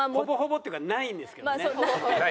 ほぼほぼっていうかないんですけどね。